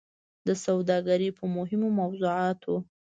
د سوداګرۍ په مهمو موضوعاتو